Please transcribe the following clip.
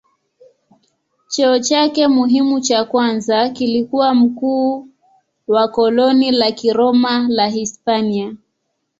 Cheo chake muhimu cha kwanza kilikuwa mkuu wa koloni la Kiroma la Hispania.